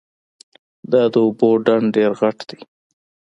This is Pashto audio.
دا د اوبو ډنډ ډېر غټ ده